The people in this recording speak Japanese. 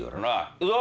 行くぞ